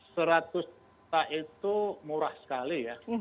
saya pikir seratus juta itu murah sekali ya